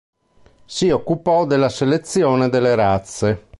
Si occupò della selezione delle razze.